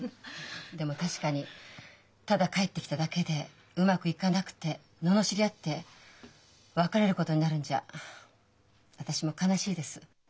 でも確かにただ帰ってきただけでうまくいかなくて罵り合って別れることになるんじゃ私も悲しいです。